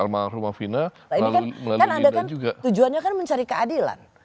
karena ini kan tujuannya mencari keadilan